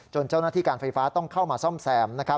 เจ้าหน้าที่การไฟฟ้าต้องเข้ามาซ่อมแซม